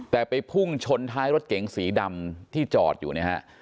แต่ไปพุ่งชนท้ายรถเก๋งสีดำที่จอดอยู่นะฮะ